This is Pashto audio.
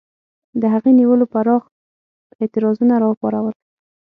د هغې نیولو پراخ اعتراضونه را وپارول.